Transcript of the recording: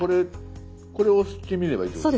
これ押してみればいいってことですね。